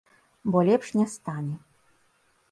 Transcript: Бо лепш не стане.